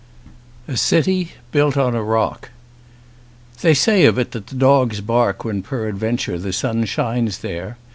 230 LVII A CITY BUILT ON A ROCK THEY say of it that the dogs bark when peradventure the sun shines there.